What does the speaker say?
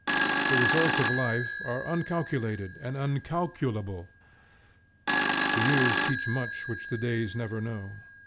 The results of life are uncalculated and uncalculable. The years teach much which the days never know.